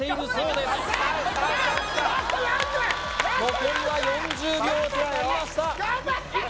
残りは４０秒となりました